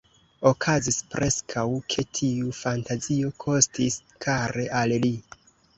Okazis preskaŭ, ke tiu fantazio kostis kare al li.